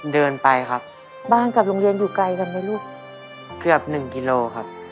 เดินไปครับบ้านกับโรงเรียนอยู่ไกลกันไหมลูกเกือบหนึ่งกิโลครับ